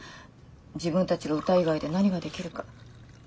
自分たちが歌以外で何ができるか。